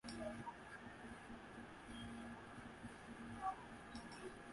এই আইন তাদের বিরুদ্ধে "ধর্মবিরোধী" এবং অন্যান্য ধর্মীয় অপমান ব্যবহার করাকে নিষিদ্ধ করেছিল।